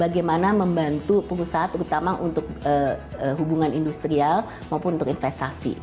bagaimana membantu pengusaha terutama untuk hubungan industrial maupun untuk investasi